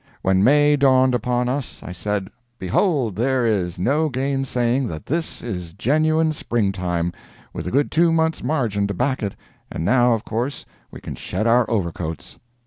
When May dawned upon us, I said, behold there is no gainsaying that this is genuine spring time, with a good two months margin to back it, and now of course we can shed our overcoats.